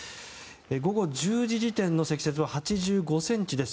午後１０時時点の積雪は８５ｃｍです。